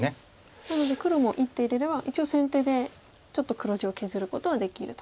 なので１手入れれば一応先手でちょっと黒地を削ることはできると。